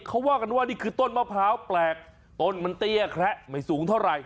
เขาว่ากันว่านี่คือต้นมะพร้าวแปลกต้นมันเตี้ยแคละไม่สูงเท่าไหร่